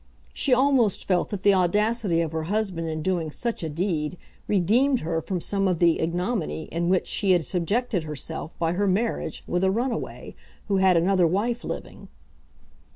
She almost felt that the audacity of her husband in doing such a deed redeemed her from some of the ignominy to which she had subjected herself by her marriage with a runaway who had another wife living.